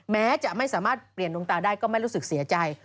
แม้จะไม่สามารถเปลี่ยนดวงตาได้ก็ไม่รู้สึกเสียใจ